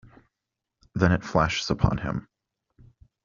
Then it flashes upon him.